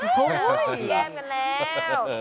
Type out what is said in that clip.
เกลียดแก้มกันแล้ว